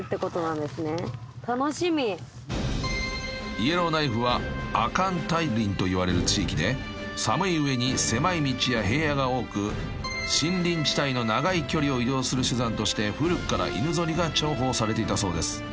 ［イエローナイフは亜寒帯林といわれる地域で寒い上に狭い道や平野が多く森林地帯の長い距離を移動する手段として古くから犬ぞりが重宝されていたそうです］